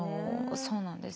そうなんです。